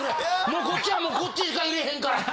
もうこっちはもうこっちしか入れへんから。